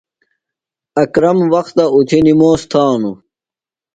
اکرم وختہ اُتھیۡ نِموس تھانوۡ۔